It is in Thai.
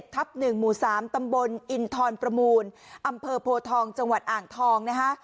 ทับ๑หมู่๓ตำบลอินทรประมูลอำเภอโพทองจังหวัดอ่างทองนะคะ